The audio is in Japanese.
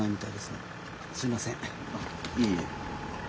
いえいえ。